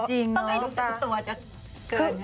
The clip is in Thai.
ต้องให้ดูสิตัวจะเกิน